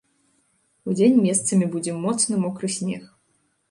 Удзень месцамі будзе моцны мокры снег.